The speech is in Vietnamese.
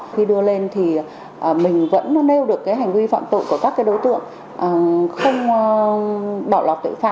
khi đưa lên thì mình vẫn nêu được cái hành vi phạm tội của các đối tượng không bỏ lọt tội phạm